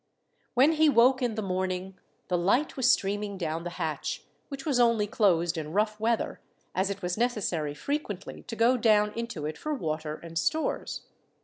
When he woke in the morning, the light was streaming down the hatch, which was only closed in rough weather, as it was necessary frequently to go down into it for water and stores.